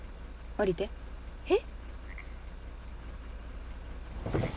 えっ？